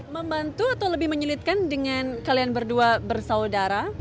membantu atau lebih menyulitkan dengan kalian berdua bersaudara